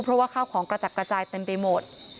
เพราะว่าข้าวของกระจัดกระจายเต็มไปหมด